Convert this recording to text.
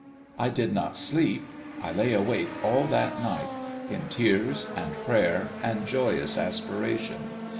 I did not sleep. I lay awake all that night in tears and prayer and joyous aspiration.